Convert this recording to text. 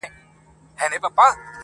دا دی ناڅم ستا د ډمو غمو ورا ته